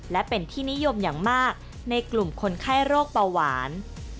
และเป็นที่นิยมอย่างมากในกลุ่มคนไข้โรคเบาหวาน